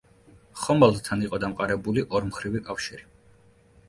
ხომალდთან იყო დამყარებული ორმხრივი კავშირი.